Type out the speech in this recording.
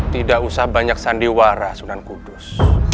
tidak usah banyak sandiwara sunan kudus